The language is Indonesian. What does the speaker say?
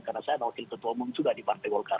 karena saya adalah wakil ketua umum sudah di partai golkar